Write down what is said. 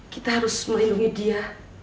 kita harus melindungi dia